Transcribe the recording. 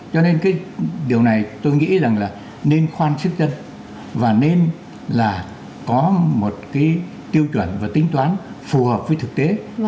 cho nên cái điều này tôi nghĩ rằng là nên khoan xiết dân và nên là có một cái tiêu chuẩn và tính toán phù hợp với thực tế